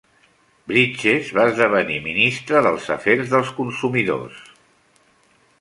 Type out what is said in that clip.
Bridges va esdevenir Ministre dels Afers dels Consumidors.